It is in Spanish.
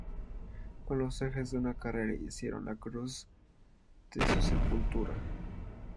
Con los ejes de una carreta hicieron la cruz de su sepultura.